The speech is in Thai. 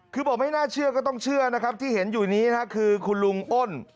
คือบอกไม่น่าเชื่อก็ต้องเชื่อนะครับที่เห็นอยู่นี้นะครับคือคุณลุงอ้น